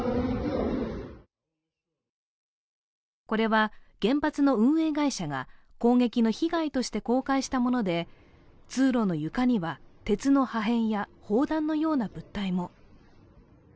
これは原発の運営会社が攻撃の被害として公開したもので通路の床には鉄の破片や砲弾のような物体も。